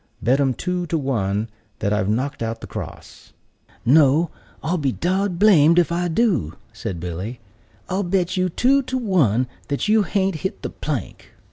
Bet 'em two to one that I've knocked out the cross." "No, I'll be dod blamed if I do," said Billy; "but I'll bet you two to one that you hain't hit the plank."